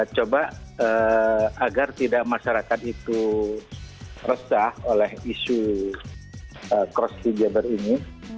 coba agar tidak masyarakat itu resah oleh isu cross hijaber ini